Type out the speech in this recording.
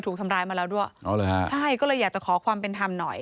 ถูกทำร้ายมาแล้วด้วยอ๋อเหรอฮะใช่ก็เลยอยากจะขอความเป็นธรรมหน่อย